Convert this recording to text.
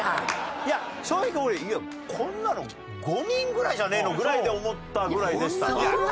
いや正直俺こんなの５人ぐらいじゃねえのぐらいで思ったぐらいでしたが。